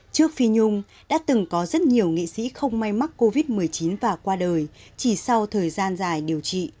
trước phi nhung đã từng có rất nhiều nghị sĩ không may mắc covid một mươi chín và qua đời chỉ sau thời gian dài điều trị